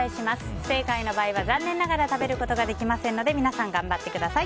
不正解の場合は残念ながら食べることができませんので皆さん、頑張ってください。